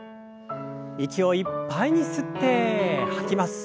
息をいっぱいに吸って吐きます。